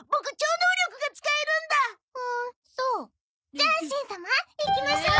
じゃあしん様行きましょう！